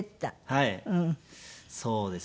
はいそうですね。